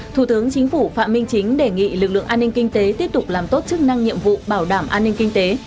thủ tướng chính phủ phạm minh chính đề nghị lực lượng an ninh kinh tế tiếp tục làm tốt chức năng nhiệm vụ bảo đảm an ninh kinh tế